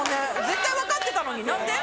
絶対分かってたのに何で？